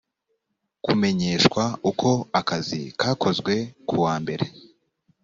kumenyeshwa uko akazi kakozwe kuwa mbere.